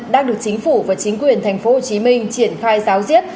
đang được chính phủ và chính quyền tp hcm triển khai giáo diết